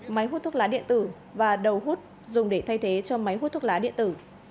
máy hút thuốc lá điện tử và đầu hút dùng để thay thế cho máy hút thuốc lá điện tử